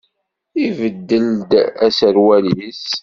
Ibeddel-d aserwal-is?